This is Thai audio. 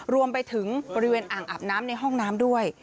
รวมไปถึงบริเวณอ่างอาบน้ำในห้องน้ำด้วย